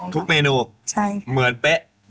ทุกเมนูเหมือนเป๊ะ